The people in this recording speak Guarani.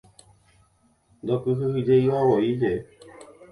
Ndokyhyjeivavoíje.